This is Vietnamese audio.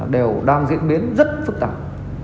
đều đang diễn biến rất phức tạp